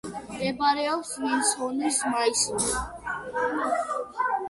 მდებარეობს ვინსონის მასივზე.